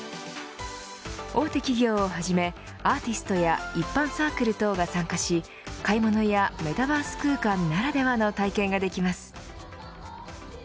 大手企業をはじめアーティストや一般サークル等が参加し買い物やメタバース空間ならではの体験ができます。